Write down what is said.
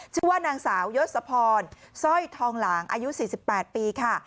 ชื่อว่านางสาวยศพรสร้อยทองหลางอายุ๔๘ปีค่ะ